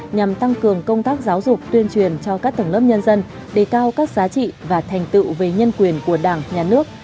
nhằm tăng cường công tác giáo dục tuyên truyền cho các tầng lớp nhân dân đề cao các giá trị và thành tựu về nhân quyền của đảng nhà nước